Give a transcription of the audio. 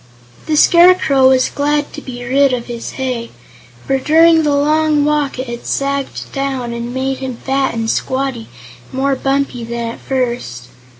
The Scarecrow was glad to be rid of his hay, for during the long walk it had sagged down and made him fat and squatty and more bumpy than at first.